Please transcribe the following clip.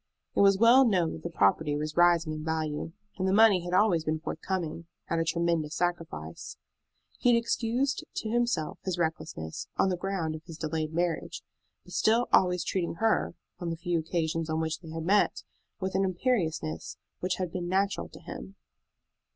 It was well known that the property was rising in value, and the money had always been forthcoming, at a tremendous sacrifice. He had excused to himself his recklessness on the ground of his delayed marriage, but still always treating her, on the few occasions on which they had met, with an imperiousness which had been natural to him.